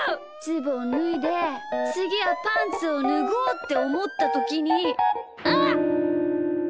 ズボンぬいでつぎはパンツをぬごうっておもったときに。